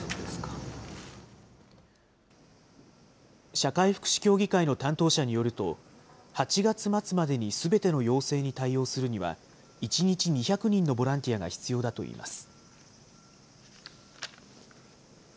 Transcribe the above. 社会福祉協議会の担当者によると、８月末までにすべての要請に対応するには、１日２００人のボランティアが必要だといいます。